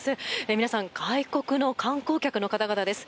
皆さん外国の観光客の方々です。